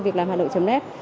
việc làm hà nội net